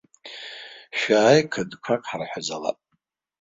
Шәааи, қыдқәак ҳарҳәазалап.